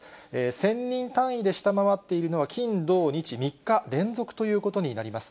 １０００人単位で下回っているのは、金、土、日、３日連続ということになります。